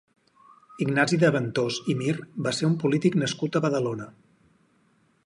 Ignasi de Ventós i Mir va ser un polític nascut a Badalona.